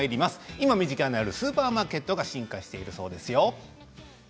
今、身近にあるスーパーマーケットが進化しているそうなんです。